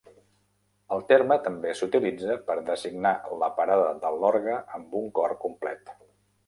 El terme també s'utilitza per designar la parada de l'orgue amb un cor complet.